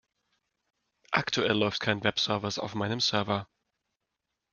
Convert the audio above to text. Aktuell läuft kein Webservice auf meinem Server.